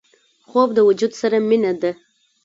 خوب د وجود سره مینه ده